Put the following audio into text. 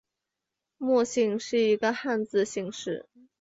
莫姓是一个汉字姓氏。